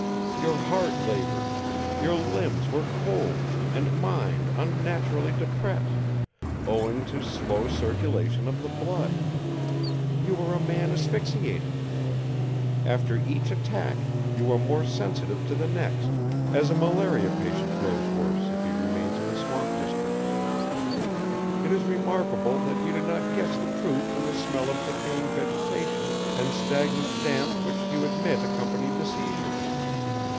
Your heart labored, your limbs were cold and mind unnaturally depressed, owing to slow circulation of the blood. You were a man asphyxiated. After each attack you were more sensitive to the next, as a malaria patient grows worse if he remains in the swamp districts. It is remarkable that you did not guess the truth from the smell of decaying vegetation and stagnant damp which you admit accompanied the seizures!